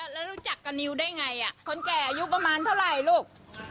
แล้วรู้จักกับนิวได้ไงคนแก่อายุประมาณเท่าไหร่ลูก